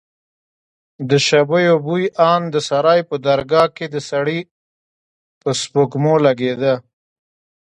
د شبيو بوى ان د سراى په درگاه کښې د سړي په سپږمو لگېده.